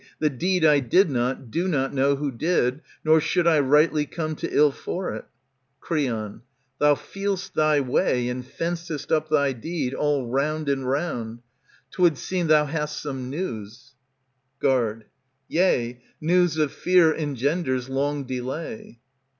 The deed I did not, do not know who did, Nor should I rightly come to ill for it. ^^ Creon, Thou feel'st thy way and fencest up thy deed All round jnd round. 'Twould seem thou hast some news. 149 ANTIGONE Guard. Yea, news of fear engenders long delay.